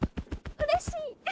うれしい！